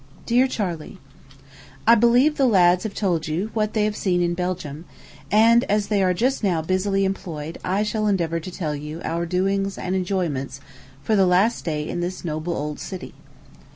DEAR CHARLEY: I believe the lads have told you what they have seen in Belgium; and as they are just now busily employed, I shall endeavor to tell you our doings and enjoyments for the last day in this noble old city.